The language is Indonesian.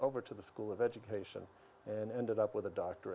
perkhidmatan dan mungkin melakukan